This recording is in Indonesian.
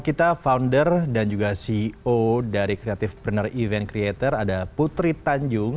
kita founder dan juga ceo dari creative pruner event creator ada putri tanjung